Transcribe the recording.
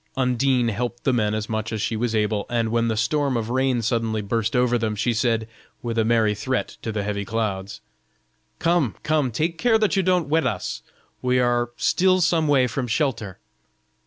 Undine helped the men as much as she was able, and when the storm of rain suddenly burst over them, she said, with a merry threat to the heavy clouds: "Come, come, take care that you don't wet us; we are still some way from shelter."